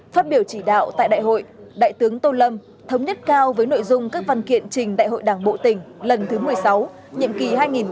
phát biểu chỉ đạo tại đại hội đại tướng tô lâm thống nhất cao với nội dung các văn kiện trình đại hội đảng bộ tỉnh lần thứ một mươi sáu nhiệm kỳ hai nghìn hai mươi hai nghìn hai mươi năm